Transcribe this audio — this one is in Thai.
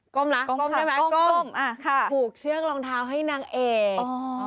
ก้มเหรอก้มค่ะก้มผูกเชือกรองเท้าให้นางเอก